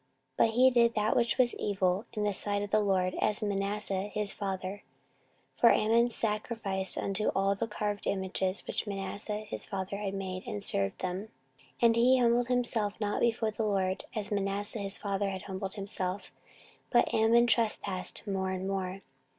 14:033:022 But he did that which was evil in the sight of the LORD, as did Manasseh his father: for Amon sacrificed unto all the carved images which Manasseh his father had made, and served them; 14:033:023 And humbled not himself before the LORD, as Manasseh his father had humbled himself; but Amon trespassed more and more.